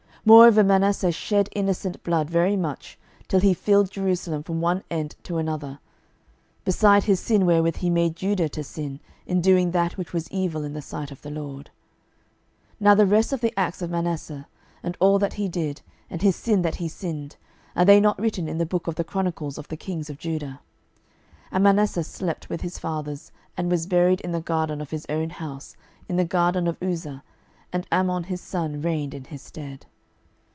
12:021:016 Moreover Manasseh shed innocent blood very much, till he had filled Jerusalem from one end to another; beside his sin wherewith he made Judah to sin, in doing that which was evil in the sight of the LORD. 12:021:017 Now the rest of the acts of Manasseh, and all that he did, and his sin that he sinned, are they not written in the book of the chronicles of the kings of Judah? 12:021:018 And Manasseh slept with his fathers, and was buried in the garden of his own house, in the garden of Uzza: and Amon his son reigned in his stead.